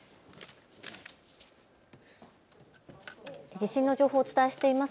地震の情報をお伝えしています。